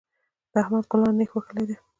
د احمد ګلانو نېښ وهلی دی.